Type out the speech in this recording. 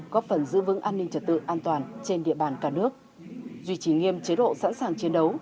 góp phần giữ vững an ninh trật tự an toàn trên địa bàn cả nước duy trì nghiêm chế độ sẵn sàng chiến đấu